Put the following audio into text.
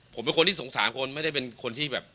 ผมเป็นคนที่สงสารคนไม่ได้เป็นคนที่แบบ